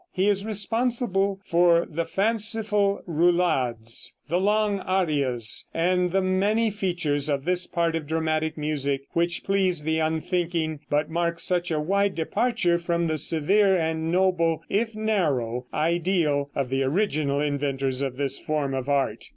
He is responsible for the fanciful roulades, the long arias and the many features of this part of dramatic music which please the unthinking, but mark such a wide departure from the severe and noble, if narrow, ideal of the original inventors of this form of art.